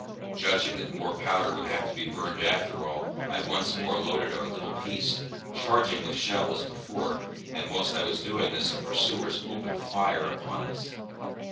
Judging that more powder would have to be burned after all, I once more loaded our little piece, charging with shell as before; and whilst I was doing this our pursuers opened fire upon us.